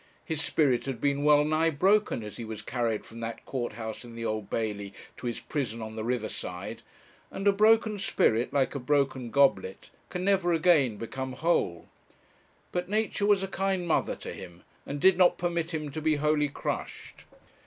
His spirit had been wellnigh broken as he was carried from that court house in the Old Bailey to his prison on the river side; and a broken spirit, like a broken goblet, can never again become whole. But Nature was a kind mother to him, and did not permit him to be wholly crushed.